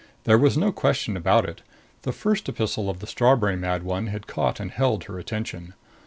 There was no question about it the first epistle from the strawberry mad one had caught and held her attention.